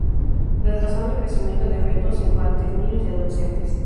Retrasando el crecimiento de fetos, infantes, niños y adolescentes.